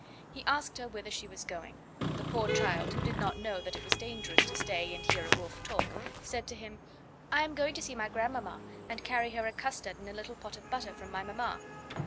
He asked her whither she was going. The poor child, who did not know that it was dangerous to stay and hear a wolf talk, said to him: "I am going to see my grandmamma and carry her a custard and a little pot of butter from my mamma."